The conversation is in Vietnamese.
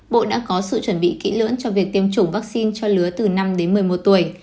bộ đã có sự chuẩn bị kỹ lưỡng cho việc tiêm chủng vaccine cho lứa từ năm đến một mươi một tuổi